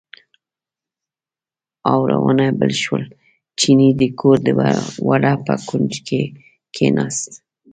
اورونه بل شول، چیني د کور د وره په کونج کې کیناست.